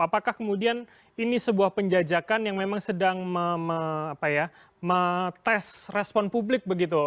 apakah kemudian ini sebuah penjajakan yang memang sedang metes respon publik begitu